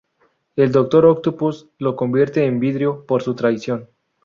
El Doctor Octopus lo convierte en vidrio por su traición.